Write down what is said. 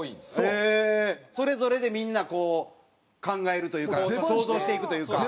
それぞれでみんなこう考えるというか想像していくというか。